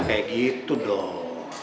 kayak gitu dong